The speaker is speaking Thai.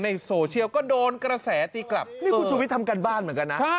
ในโซเชียลก็โดนกระแสตีกลับนี่คุณชูวิทย์ทำการบ้านเหมือนกันนะ